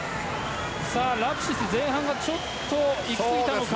ラプシス前半はちょっといきすぎたのか。